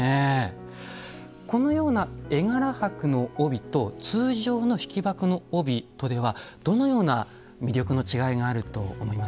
このような絵柄箔の帯と通常の引箔の帯とではどのような魅力の違いがあると思いますか？